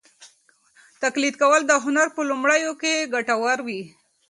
تقلید کول د هنر په لومړیو کې ګټور وي.